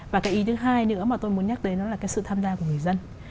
và cái ý thứ hai nữa mà tôi muốn nhắc đến đó là cái sự tham gia của người dân